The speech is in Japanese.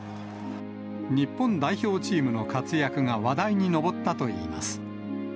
日本代表チームの活躍が話題に上ったといいます。